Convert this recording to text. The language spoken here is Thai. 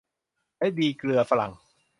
และดีเกลือฝรั่ง